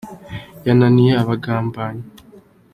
yananiye abagambanyi.